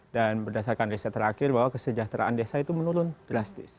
dan berdasarkan riset terakhir bahwa kesejahteraan desa itu menurun drastis